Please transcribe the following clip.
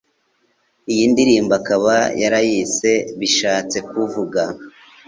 iyi ndirimbo akaba yarayise '' bishatse kuvuga